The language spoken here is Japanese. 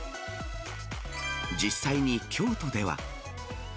実際に京都では。